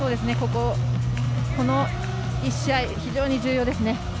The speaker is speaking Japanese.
この１試合非常に重要ですね。